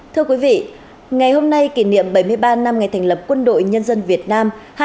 thưa quý vị ngày hôm nay kỷ niệm bảy mươi ba năm ngày thành lập quân đội nhân dân việt nam